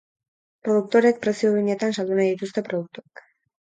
Produktoreek prezio duinetan saldu nahi dituzte produktuak.